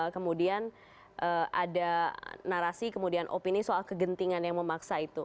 kemudian ada narasi kemudian opini soal kegentingan yang memaksa itu